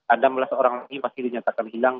ada belas orang lagi masih dinyatakan hilang